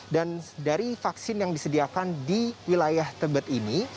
dan dari vaksin yang disediakan di wilayah tebet ini